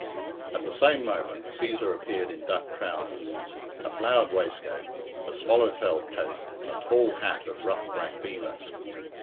At the same moment Cæsar appeared in duck trousers, a flowered waistcoat, a swallow tail coat, and a tall hat of rough black beaver.